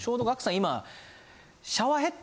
今。